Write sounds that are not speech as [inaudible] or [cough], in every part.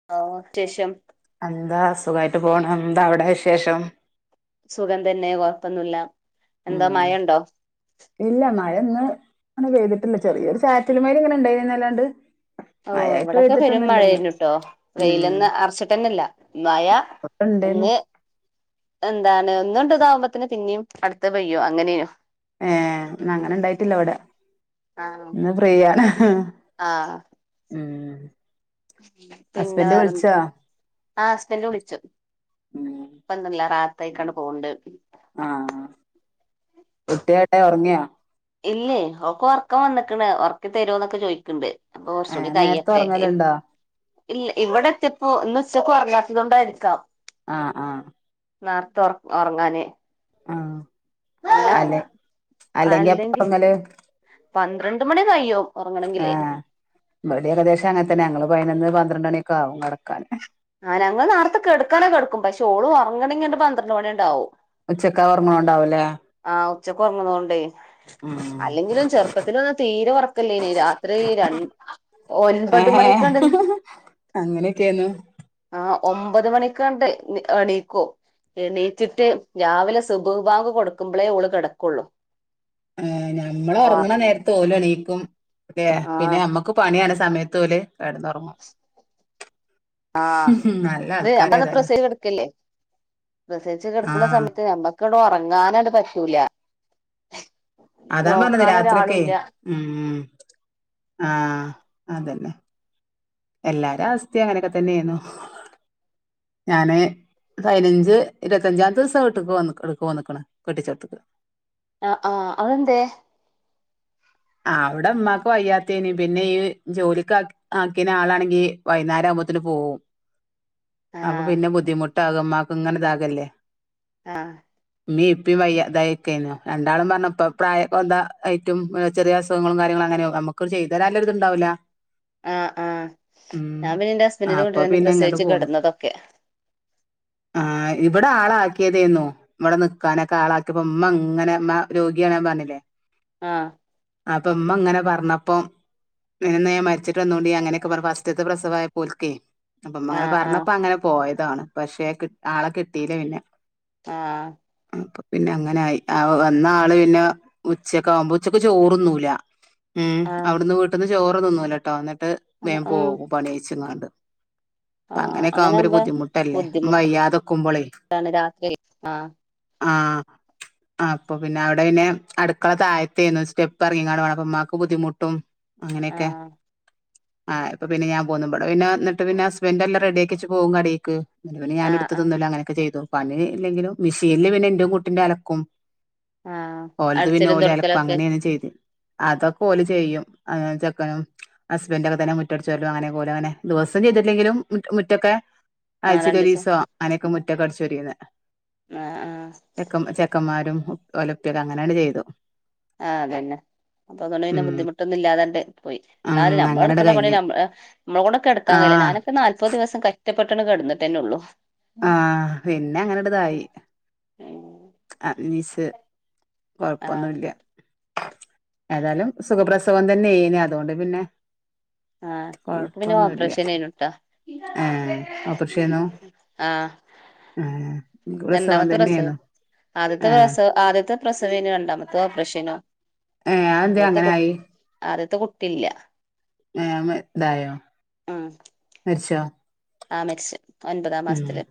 [unintelligible] എന്താ സുഖായിട്ട് പോണം എന്താ അവിടെ വിശേഷം സുഖം തന്നെ കൊഴപ്പൊന്നുല്ല എന്താ ഉം മയെണ്ടോ ഇല്ല മഴ ഇന്ന് അങ്ങനെ പെയ്തിട്ടില്ല ചെറിയൊരു ചാറ്റല് മഴ ഇങ്ങനെ ഇണ്ടായിന്നല്ലാണ്ട് ഓഹ് ഇവിടെക്കെ പെരും മഴേര്ന്നിട്ടോ ഉം വെയിലിന്ന് അറച്ചിട്ടന്നില്ല മയ [unintelligible] എന്താണ് ഒന്നുകണ്ട് ഇതാവുമ്പത്തന്നെ പിന്നെയും അടുത്ത പെയ്യുവ അങ്ങനേണ് ഏഹ് ഇന്നങ്ങനെ ഇണ്ടായിട്ടില്ല ഇവിടെ ആഹ് ഇന്ന് ഫ്രീയാണ് ആഹ് ഉം ഉം പിന്നെ ഹസ്ബൻഡ് വിളിച്ചാ വേറെന്തൊക്കെ ആഹ് ഹസ്ബൻഡ് വിളിച്ചു ഉം [unintelligible] പോണെണ്ട് ആഹ് കുട്ടിയെവടെ ഒറങ്ങിയൊ ഇല്ലേ ഓക്ക് ഒറക്കം വന്നിക്കണ് ഒറക്കി തരോന്നക്കെ ചോദിക്കെണ്ട് അപ്പ ഏ കൊറച്ചൂടി നേരത്തെ കഴിയട്ടെ ഉറങ്ങലുണ്ടോ ഇല്ല ഇവിടെ എത്തിപ്പോ ഇന്ന് ഉച്ചക്ക് ഒറങ്ങാത്തത് കൊണ്ടായിരിക്കാം ആഹ് ആഹ് നേർത്ത ഒറക് ഒറങ്ങാനേ ആഹ് അല്ലെ അല്ലെങ്കി അപ്പ അങ്ങല് പന്ത്രണ്ട് മണി കഴിയും ഉറങ്ങണെങ്കില് ആഹ് ഇവടേം ഏകദേശം അങ്ങനത്തെന്നെ ഞങ്ങള് പൈനൊന്ന് പന്ത്രണ്ട് മണിയൊക്കെ ആവും കെടക്കാന് ആഹ് ഞങ്ങള് നേരത്തെ കെടക്കാനെക്ക കെടക്കും പക്ഷേ ഓളു ഒറങ്ങണെങ്കിണ്ട് പന്ത്രണ്ട് മണിണ്ടാവും ഉച്ചക്ക ഒറങ്ങണൊണ്ടാവുവല്ലേ ആഹ് ഉച്ചക്കൊറങ്ങണോണ്ടെ ഉം അല്ലെങ്കിലും ചെറുപ്പത്തിന് തീരെ ഒറ‌ക്ക്ല്ലേനി രാത്രി ര ഏ ഒൻപത് മണിക്കണ്ട് അങ്ങനെയൊക്കെയാന്നു ആഹ് ഒമ്പത് മണിക്കാണ്ട് എണീക്കൊ എണീച്ചിട്ട് രാവിലെ സുഭവിഭാഗ് കൊടുക്കുമ്പളേ ഓള് കിടക്കൊള്ളൂ ആഹ് ഞമ്മളൊറങ്ങണ നേരത്ത് ഓല് എണീക്കും അല്ലെ ആ പിന്നെ നമ്മ ക്ക് പണിയാണ സമയത്ത് ഓല് കെടന്നൊറങ്ങും ആഹ് ഇത് ഞമ്മന്ന് ഏതായാലും പ്രസവിച്ചു കെടക്കല്ലേ പ്രസിവിച്ച് ആ കെടക്കണ സമയത്ത് ഞമ്മ ക്കട് ഒറങ്ങാനായിട്ട് പറ്റൂല അതാ പറഞ്ഞത് നോക്കാൻ രാത്രിയൊക്കേ ഒരാളുല്ല ഉം ആഹ് അതന്നെ എല്ലാരും അവസ്ഥേ അങ്ങനെയൊക്കെ തന്നേയിരുന്നു ഞാന് പതിനഞ്ച് ഇരുത്തഞ്ചാം ദിവസം വീട്ടിക്ക് വന്നിക്കണ് ഇവിടുക്ക് വന്നിക്കണ് കെട്ടിച്ചോടത്തിക്ക് ആഹ് ആഹ് അതെന്തേ ആഹ് അവിടിമ്മാക്ക് വയ്യാത്തേന് പിന്നെ ഈ ജോലിക്കാ ആക്കിനെ ആളാണെങ്കി വൈകേരം ആകുമ്പോത്തേന് പോകും. ആ അപ്പൊ പിന്നെ ബുദ്ധിമുട്ട്കമാക്ക് ഇങ്ങനെ ഇതാകല്ലേ ആഹ് ഇമ്മീ ഇപ്പും വയ്യ അതായിക്കു രണ്ടാളും പറഞ്ഞപ്പ പ്രായംന്താ ഏറ്റും ചെറിയ അസുഖും കാര്യങ്ങളങ്ങനെ നുക്ക ചെയ്താും നല്ലും ഇണ്ടാവൂല. ആഹ് ആഹ് ഞാൻ പിന്നെ എന്റെ ഹസ്ബൻറിന്റെ കൂട്ടിൽ തന്നെ പ്രസയിച്ചു കിടുന്നതൊക്കെ ആഹ് ഇവിടെ ആള ആക്കിയതെന്നോ ഇമ്മടെ നക്കാനെ കാളാക്കിയപ്പോ ഉമ്മ അങ്ങനെ അമ്മ രോഗിയണ ൻ പറഞ്ഞില്ലേ? ആഹ് അപ്പ ഇമ്മ അങ്ങനെ പറഞ്ഞപ്പ നിന ഞാ മരിച്ചിട്ട്ന്നുകോണ്ട് ന്ന് അങ്ങനൊക്കെ പറ വാസ്ത്ത പ്രസവായ ഓൽക്കെ അപ്പൊ അമ്മ അങ്ങനെ ആഹ് ആഹ് പറഞ്ഞപ്പ അങ്ങനെ പോയതാണ് പക്ഷെ ആളെ കിട്ടീല്ലേ പിന്നെ ആഹ് അപ്പൊ പിന്നെ അങ്ങനൊയി ആ വന്ന ആള് പിന്നെ ഉച്ചൊക്കെ ആകുമ്പോ ഉച്ചക്ക് ചോറുന്നൂല്ല മ് ആഹ് അവ്ടുന്ന് വീട്ട്ന്ന് ചോറ് തിന്നൂലട്ടോ ന്നിട്ട് വേ ആഹ് പോകും. പണിയയിച്ച്ക്കാണ്ട്. പ്പ ആഹ് അങ്ങനൊക്കെ ആവുമ്പൊരു അങ്ങനാവുമ്പോ ബുദ്ധിമുട്ടല്ലേ മ്മ ബുദ്ധിമുട്ടാണ് ‌വെയ്യാതക്കുമ്പളേ. രാത്രി ആഹ് ആഹ് അപ്പൊ പിന്നെ അവടെയ്ന് അടുക്കള താഴ ത്തെയ്‌നു സ്റ്റെപ്പറങ്ങിക്കാട് വാണം അപ്പൊമ്മാക്ക് ബുദ്ധിമുട്ടും അങ്ങനൊക്കെ ആഹ് ആഹ് ഇപ്പ പിന്നെ ഞാൻ പോന്നു ബടെ പിന്നെ ന്നിട്ട് പിന്നെ ഹസ്ബൻ്റെല്ലാ റെഡി ആക്കിച്ച് പോവും കടീക്ക്. ന്നിട്ട് പിന്നെ ആഹ് ഞാനെടുത്ത് ആഹ് തിന്നലു അങ്ങനൊക്കെ ചെയ്തു. പനി ഇല്ലെങ്കിലും മിഷീൽ പിന്നെ ഇൻ്റിം കൂട്ടിൻ്റിം അലക്കും. ആഹ് ഓല്ത് പിന്നെ അടിച്ചലും ഓലല തൊടക്കലൊക്കെ ഞാൻ ചെയ്ത് അതൊക്കെ ഓല് ചെയ്യും അയാളും ചെക്കനും. ഹസ്ബൻ്റൊക്കെ തന്നെ മുറ്റ അടിച്ചോരലും അങ്ങനെ ഓലങ്ങനെ ദിവസം ചെയ്ത്ട്ട്ല്ലെങ്കിലു മുറ്റൊക്കെ ആഹ് രണ്ടീസം ആയ്ച്ചലൊരീസോ അനൊക്കെ മുറ്റക്കെ അടിച്ചൊരീന്നേ. ആഹ് ആഹ് ചെക്കം ചെക്കന്മാരും ഒലപ്പ്യക്കെ അങ്ങനെണ് ചെയ്തു. ആഹ് അതന്നെ അപ്പൊ അതോണ്ട് പിന്നെ ഉം ബുദ്ധിമുട്ടൊന്നും ഇല്ലാതാങ്ങ്ട്ട് പോയി ഉം ന്നാലും അങ്ങനെട് നമ്മളെടുക്കണ്ട പണി കഴിഞ്ഞ് നമ്മ അ നമ്മളക്കൊണ്ടെടുക്കാ കഴിയില്ല ആഹ് ഞാനൊക്കെ നാല്പത് ദിവസം ക റ്റ പട്ടെന്ന് കെട്ന്ന്ട്ടെന്നെള്ളു. ആഹ് പിന്നെങ്ങന്ടതായി. അത് നീസ് ആഹ് കൊഴപ്പൊന്നുല്ല. ഏതാലും സുഖപ്രസവം തന്നെയ്നു അതോണ്ട് പിന്നെ ആഹ് ഇൻക്ക് പിന്നെ കൊഴപ്പൊന്നുല്ല ഓപ്പറേഷനേയ്നുട്ടാ. ഏഹ് ഓപ്പർഷെയ്നു‌ ആഹ് ഏഹ്. പ്രസവം രണ്ടാമത്തെ പ്രസവ് തന്നെയേന്നു ആദ്യത്തെ ഏഹ് പ്രസവ് ആദ്യത്തെ പ്രസവേയ്നു രണ്ടാമത്തെ ഓപ്പറേഷയ്നു. ഏഹ് അഎന്ത്യാ അങ്ങനായി. ആദ്യത്തെ കുട്ടില്ല. ഏഹ് മെ ഇതായോ മരിച്ചോ? ആഹ് മരിച്ച് ഒൻപതാം ഉം മാസത്തില്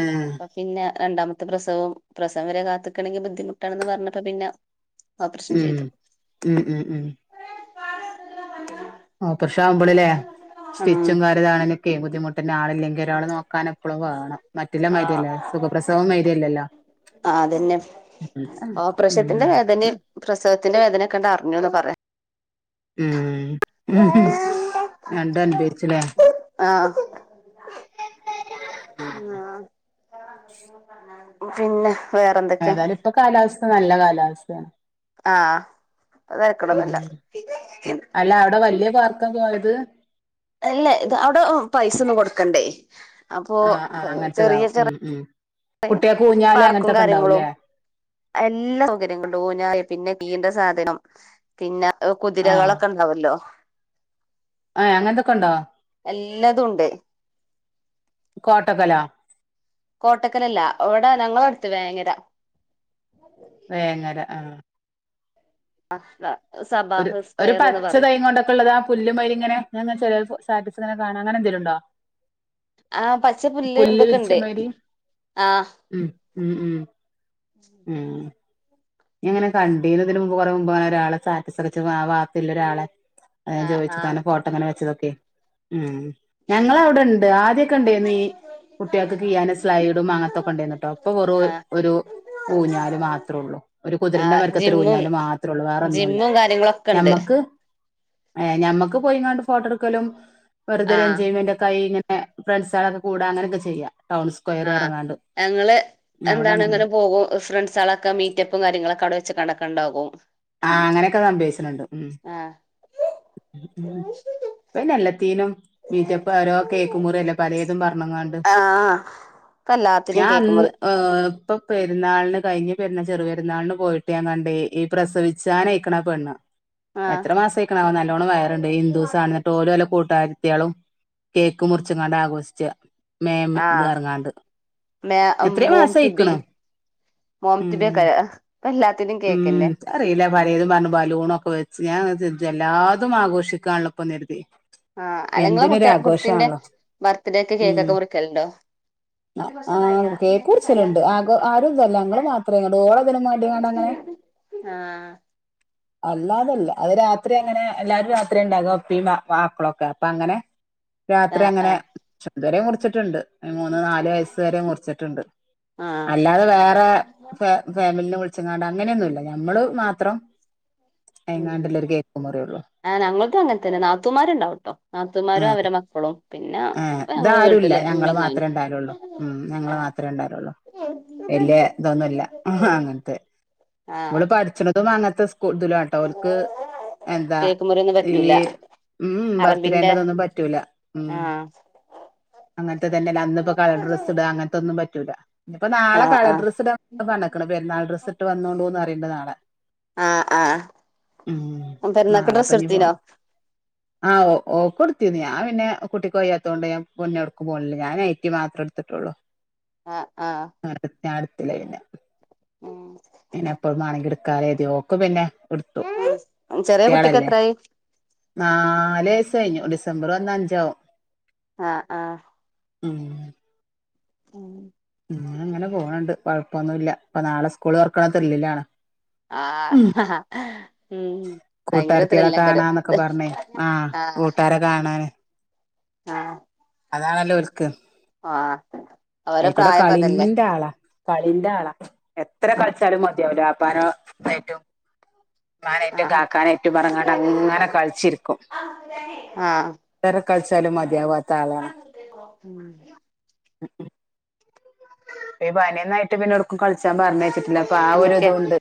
ഏഹ് പ പിന്നെ രണ്ടാമത്തെ പ്രസവം പ്രസവം വരെ കാത്ത്ക്കണെങ്കി ബുദ്ധിമുട്ടാണെന്ന് പറഞ്ഞപ്പോ പിന്നെ ഓപ്പറേഷൻ ഉം ചെയ്തു ഉഹ് ഉഹ് ഉഹ് ഓപ്രഷാവുമ്പള്ല്ലേ. ഉം സ്റ്റിച്ചും കാര്യതാണൊലൊക്കെ ബുദ്ധിമുട്ടെന്നെ ആളില്ലെങ്കി ഒരാൾ നോക്കാനപ്പഴും വാണം. മറ്റുള്ള മായിര്യല്ലേ സുഖപ്രസവം മായിരിയല്ലല്ലോ? ആഹ് തന്നെ ഓപ്രഷ്യത്തിന്റെ ഉം വേദ പ്രസവത്തിന്റെ വേദനൊക്കങ്ങട്ടറിഞ്ഞുന്ന് പറയാ. ഉഹ് രണ്ടൊൻഭവിച്ചൂലെ. ആഹ് ആഹ് പിന്നെ വേറെന്തൊക്കെ? ഇപ്പ കാലാവസ്ഥ നല്ല കാലാവസ്ഥ ആഹ അതരക്കടൊന്നുല്ല. ഉം അല്ല അവിടെ വല്ല്യ ബാർക്ക പോയത് അല്ല ഇത് അവിടെ അ് പൈസൊന്നും കൊടുക്കണ്ടേ. അപ്പൊ ആഹ് ആഹ് ചെറിയ അങ്ങനത്തതാവും ചെർ ഉം ഉം യ കുട്ടികൾക്ക് ഊഞ്ഞാല് പാർക്കും അങ്ങനത്തൊക്കെ കാര്യങ്ങളും ഉണ്ടാവൂല്ലേ എല്ല സൗകര്യങ്ങൾണ്ട് ഊഞ്ഞാല് പിന്നെ നീണ്ട സാധനം പിന്നെ ആഹ് കുതിരകളൊക്കെ ഉണ്ടാവല്ലോ. ആഹ് എ അങ്ങൻത്തൊക്കെണ്ടോ? എല്ലാതും ഉണ്ട് കോട്ടക്കലോ? കോട്ടക്കലല്ല ഇവ്ടെ ഞങ്ങളടുത്ത് വേങ്ങര. വേങ്ങര ആ അസ്ത ഒരു ഒരു പച്ചതൈ കൊണ്ടൊക്കുള്ളതാ പുല്ലുമയിരിങ്ങനെ ഞാൻങ്ങനെ ചെലോൽ സ്റ്റാറ്റസ്ങ്ങനെ കാണാ അങ്ങനെന്തെലുണ്ടോ ആഹ് പച്ച പുുല്ല് ഇതൊക്കെണ്ട് ആ ഇംഉം ഉം ഉം ഞങ്ങനെ കണ്ടീനുതിന് മുമ്പ് കുറ മുമ്പ് അനെ ഒരാള സാറ്റിസ് വാച്ചത്‌ ആ വത്തില്ല ഒരാളെ അത ആ ചോദിച്ചു ആ തന്നെ ഫോട്ടോങ്ങനെ വെച്ചതൊക്കെ ഉ ഞങ്ങ അവിടെ ഉണ്ട് ആദ്യമൊക്കെ ഉണ്ടന്ന് ഈ കുട്ടികൾക്ക് കീ്യാനൻ സ്ലൈഡും അങ്ങനത്തൊക്കെ ഉണ്ടായിന്നട്ടോ അപ്പൊ കൊറു ആ ഒരു ഊഞ്ഞാൽ മാത്രംഉള്ളൂ ഒരു ആ കുതിരണ്ട മരക്കത്തി ജിമ്മും ഊഞ്ഞാലും മാത്രമ ഉള്ള വേറെന്നുമല്ല ജിമ്മും കാര്യങ്ങളൊക്കെ ഉണ്ട് ഞമ്മക്ക് ഞമ്മക്ക് പോയി ഫോട്ടോ എടുക്കും ആ വെറുതെജോയ്മെന് ഫ്രണ്ട്സ ആളൊക്കെ കൂട അങ്ങനെയൊക്കെ ചെയ്യാം ടൗൺകൂ ആഹ ഞങ്ങള് എന്താണ് ഇങ്ങനെ അങ്ങനെണ്ട് പോകും ഫ്രണ്ട്സ ആളക്കെ ക്കെ മീറ്റപ്പും കാര്യങ്ങളൊക്കെ അവിടെ വെ കണ്ടക്ക ഉണ്ടാകും ആഹ അങ്ങനെയൊക്കെ സംഭവിച്ചണുണ്ട് ഉ ആഹ് പിന്നെ എല്ലാത്തീനും മീറ്റപ്പ ഓരോ കേക്കുമ മുറിയല്ല പലേതും പറഞ്ഞ ആഹ് ഇപ്പ എല്ലാത്തിനും ഞാൻ കേക്ക് അന്ന് മുറി ഇപ്പൊ പെുന്നാളിന് കഴിഞ്ഞ പെരുന്നാ ചെറു പെരുന്നാളിന് പോയിട്ട് ഞാൻ കണ്ടേയ് പ്രസവിച്ചാനയക്കണ പെണ്ണ് ആഹ് എത്ര മാസം ആക്കണാവ നല്ലോണ്ണം വയറണ്ട് ഹിന്ദ ദിവസ ആണ എന്നിട്ട്ഓര വല്ല കൂട്ടുകരുത്തിയാളും കേക്ക് മുറിച്ചുംങ്ങാടെ ആഘോഷിച്ച മേ ഇത് ആഹ് ഇറങ്ങാണ്ട് മേ എത്രയ മാസ കയിക്കണ് മോംത്തിബക്ക എല്ലാത്തിനും ഉം കേക്കന്നെ അറിയില്ലേ പലതും പറഞ്ഞു ബലൂണ ഒക്കെ വെച്ച് ഞാൻ എല്ലാതും ആഘോഷിക്കാള്ള ഇപ്പ എരുതി ആഅല്ലെങ്കി കുട്ട കുട്ടിന്റെ ബർത്ത്ഡേ ഉം കേക്കൊക്കെ മുറിക്കലുണ്ടോ ഇിവസ ആഹ് കേക്ക് മുറിച്ചലുണ്ട് ആഘോ ആരും ഇതല്ല ഞങ്ങള് മാത്രേ ഇങ്ങട് ഓളതിനും വേണ്ടിങ്ങാണ്ട് അങ്ങനെ ആ അല്ലാതല്ല അത് രാത്രി അങ്ങനെ എല്ലാരും രാത്രി ഉണ്ടാക ഒപ്പിയ വാമക്കളൊക്കെ അപ്പ അങ്ങനെ രാത്രി ആഹ് അങ്ങനെ ഇതുവര മുറിച്ചിട്ടുണ്ട് മൂന്ന് നാലു ആഹ് വയസ് വരെ മുറിച്ചിട്ടുണ്ട് ആഹ് അല്ലാതെ വേറെ ഫാമിലിനെ വിളിച്ചങ്ങാട് അങ്ങനെയൊന്നുമല്ല നഞമ്മള് മാത്രം എഏങ്ങാണ്ടല്ല ഒരു കേക്കുമ മുറേള്ളൂ ആഞങ്ങൾകും അങ്ങനെ തന്നെ നാത്തുമാരുണ്ടാവട്ടോ നാത്തുമാരും അവടെ മക്കളും പിന്നെ ഇപ്പ ഞങ്ങള് ഇതാരുംല്ല വീട്ടില് ഞങ്ങള്ൾ ഉമ്മയും മാത്രമേ ഞാനും ഉണ്ടാലള്ളൂ ഉം ഞങ്ങള്ൾ ആഹ് മാത്രമേ ഉണ്ടാലള്ളൂ വല്യ ഇതൊന്നുമല്ല അങ്ങനത്തെ ആഹ് ഇവള്പഠിച്ചണതും അങ്ങനത്തെ സ്കൂ ഇതുലാട്ടവർക്ക് എന്താ കേക്ക് മുറിയൊന്നും ഈ പറ്റൂല ഉം അറബിന്റെ ബർത്ത്ഡേറതൊന്നും പറ്റൂല ഉം ആഹ് അങ്ങനത്തെ തന്നെ അന്നപ്പോ കളർ ഡ്രസ്ട അങ്ങനത്തെ തെന്നും പറ്റൂല്ല ഇപ്പ നാളെ ആഹ് കളർ ആഹ് ടർസ് ഇൻ നാളെ പെരുനാൾ ടസ് ആ ആഹ പെരുന്നക്ക് ഡസ് നാളെപ്പ ഇനി എടുത്തനോ പോണം ആഹ് ഓ ഓക്ട്ത്തിയിന്നു. ഞാൻ പിന്നേ കുട്ടക്ക് വയ്യാതോണ്ട് ഞാൻ പിന്നെ ഒട്ക്കും പോണില്ല. ഞാൻ നൈടി മാത്രം ഇട്ത്തിട്ടുള്ളൂ. [unintelligible] ആഹ് ആഹ് [unintelligible] ഞാട്ത്തില്ല പിന്നെ. പിന്ന എപ്പോഴുമാണങ്ങി ഇട്ക്കാലൊ കര്തി ഓക്ക് പിന്നെ, ഇട്ത്തു. ഉം ചെറിയ കുട്ടിക്ക് കുട്ടിയ്യാളെല്ലേ? എത്രായി നാല് വയസ് കഴിഞ്ഞു. ഡിസംബറ് വന്നാഅഞ്ചാവും ആഹ് ആഹാ. [unintelligible] [unintelligible] അങ്ങനെ പോണ് ണ്ട് കുഴപ്പൊന്നുല്ല. ഇപ്പ നാളെ സ്കൂളള് തോർക്കണ ത്രില്ലില്ലാണ്. ആഹ് ഉം ഭയങ്കര കൂട്ടാരത്തിളെ കാണാന്നൊക്കെ ത്രില്ലയ്ക്കാരം പറഞ്ഞേ ആഹാ ആഹ് കൂട്ടാരൊ കാണാന്. [inaudible] അതാണല്ലോ? ഒല്ക്ക് ആഹ് അവരെ അയികുടെ പ്രായം അതല്ലേ കളിൻന്റെ ആളാ. കളിന്റെ ആളാ. എത്ര കളിച്ചാലും മതിയാവുല്ല ആപ്പാന എറ്റും. മ്മാനായിട്ടും, ആഹ് കാക്കാനായിട്ടും, പറഞങ്ങണ്ട് അങ്ങനെ കളിച്ചിരിക്കും. ആഹ് എത്ര കളിച്ചാലും മതിയാവാത്ത ആളാണ്. [unintelligible] [unintelligible] പി പനിയൊന്നായിട്ട് പിന്നെവ്ട്ക്കും കളിച്ചാം പറഞ്ഞയച്ചിട്ടില്ല അപ്പൊ ആഹാ ഒരു എന്തൊക്കെയാ ഇതുംണ്ട്.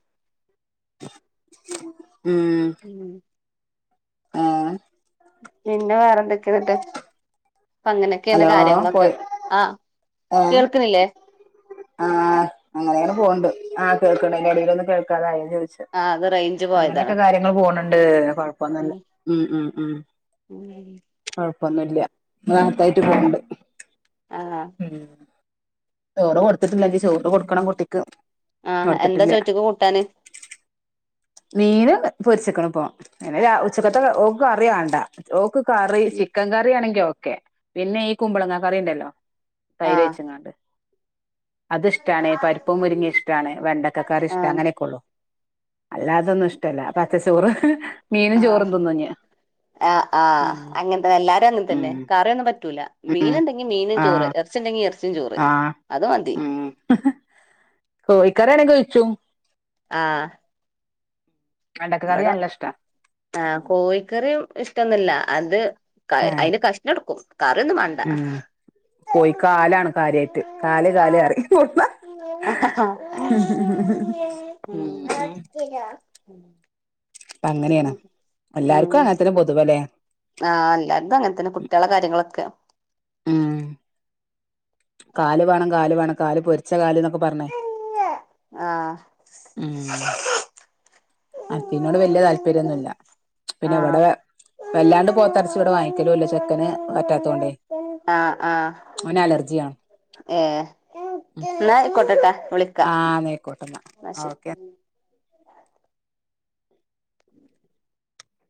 ഉും [unintelligible] ആഹാ പിന്നെ വേറെന്തൊക്കെന്നിട്ട്. പ അങ്ങനൊക്കെണ് ഹലോ കാര്യങ്ങളൊക്കെ പോയി ആഹാ ഏഹ് കേൾക്ക്ണ്ല്ലേ? ആഹ് അങ്ങനെങ്ങനെ പോണ് ണ്ട്. ആകേൾക്കിണിണ്ട ഇടയിലൊന്ന് കേൾക്കാതായോ ചോദിച്ചു. ആഹ് അത് റേഞ്ച് പോയതാണ് അങ്ങനെയൊക്കെ കാര്യങ്ങൾ പോണ് ണ്ട്. കൊഴപോന്നുല്ല ഉം ഹു ഹും ഹും. [unintelligible] കൊഴപ്പൊന്നുല്യ റാഹത്തായിട്ട് പോണ് ആഹ് ആഹ് ണ്ട്. ചോറ് ഉം കൊടുത്തിട്ടില്ല. ഞ്ഞിചോറ് കൊടുക്കണം കുട്ടിക്ക്. ആഹ് എന്താ കൊടുത്തിട്ടില്ല ചോറ്റ്ക്ക് കൂട്ടാന്? [inaudible] മീന് പൊരിച്ചക്കണ് പോ, പിന്നെ രാ ഉച്ചക്കത്തെ ഓക്ക് കറി വാണ്ട ഓക്ക് കറി ചിക്കൻ കറി ആണെങ്കിൽ ഓക്കെ. പിന്നെ ഈ കുമ്പളങ്ങാ കറിണ്ടല്ലോ തൈര് ആഹ് ഓയ്ച്ചങ്ങാണ്ട്. അത്ഷ്ടാണ്. പരിപ്പം മുരിങ്ങി ഇഷ്ട്ടാണ്. വെണ്ടക്കക്കറി ഇഷ്ട്ടാ ആഹ് അങ്ങനെയൊക്കെയ ഉള്ളു അല്ലാതൊന്നും ഇഷ്ട്ട ഷ്ട്ടല്ല പച്ചച്ചോറ് മീനും ചോറും ആഹ് തിന്നുഞി ആഹ് ആഹ് അങ്ങനെതനെ. എല്ലാരും അങ്ങനെ തന്നെ കറിയൊന്നും പറ്റൂല ഉം മീന്ണ്ടെങ്ങി മീനും ചോറ്, ആഹ് ഇറച്ചിണ്ടെങ്കി ഇറച്ചിം ചോറ്, ആഹ് അത് മതി ഹും കോഴിക്കറി യാണെങ്കി ഓഴിച്ചും. ആഹാ വെണ്ടക്ക കറി ഇവിടെ നല്ല ഇഷ്ടാ ആഹാ കോഴിക്കറിയും ഇഷ് ഷ്ടന്നില്ല അത് ഏഹ് അയിൻ്റെ കഷ്ണംട്ക്കും കറിയൊന്നും മാണ്ട കോയി കാലാണ് കാര്യായിട്ട്. കല് കാല്റിം കൊട്ന്ന [unintelligible] [unintelligible] അപ്പ അങ്ങനെയാണ്. ഉം എല്ലാർക്കും അങ്ങത്തനെ പൊതുവ അല്ലേ? ആഹ് അല്ലാർക്കും അങ്ങനെ തന്നെ. കുട്ടിയളെ കാര്യങ്ങളൊക്കെ. ഉഹും കാല് വേണം കാല് വേണം കാല് പൊരിച്ച കാല് എന്നൊക്കെ പറഞ്ഞേ ആഹ് ഉം അത്തീനോട് വല്യ താല്പര്യംന്നുല്ല. പിന്നെ ആഹ് ഇവിടെ വല്ലാണ്ട് പോത്തർച്ചി ഇവിടെ വാങ്ങിക്കലൂല്ല ചെക്കന് പറ്റാത്തൊണ്ടേ ആഹ് ആഹ് അവന് അലർജിയാണ്. ഏഹ് ന്നാ അയ്ക്കോട്ടെട്ടാ വിളിക്കാ ആഹ് നീക്കോട്ടന്ന ന്നാ ശരി ഓക്കെ